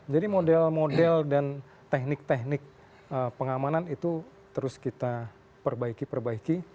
jadi model model dan teknik teknik pengamanan itu terus kita perbaiki perbaiki